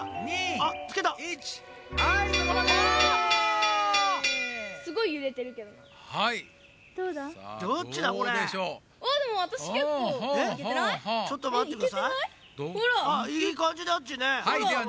あっいいかんじだっちね。